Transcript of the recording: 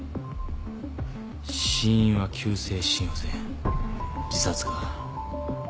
死因は急性心不全自殺か。